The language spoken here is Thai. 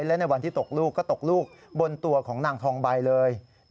และในวันที่ตกลูกก็ตกลูกบนตัวของนางทองใบเลย